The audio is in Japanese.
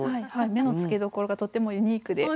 目の付けどころがとてもユニークで。